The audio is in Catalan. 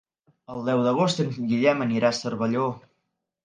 El deu d'agost en Guillem anirà a Cervelló.